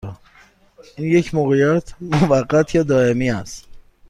این یک موقعیت موقت یا دائمی است؟